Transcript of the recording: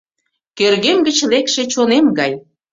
Кӧргем гыч лекше чонем гай.